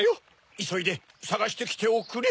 いそいでさがしてきておくれ。